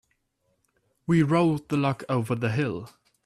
We rolled the log over the hill.